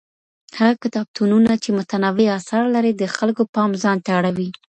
هغه کتابتونونه چي متنوع اثار لري د خلګو پام ځانته اړوي.